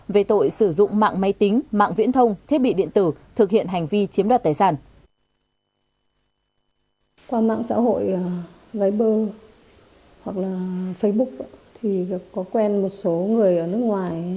về tội sử dụng mạng máy tính mạng viễn thông thiết bị điện tử thực hiện hành vi chiếm đoạt tài sản